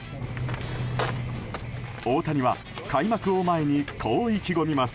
大谷は開幕を前にこう意気込みます。